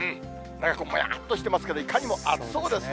なんかこう、もやっとしてますけど、いかにも暑そうですね。